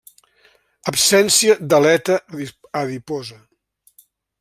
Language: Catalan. Absència d'aleta adiposa.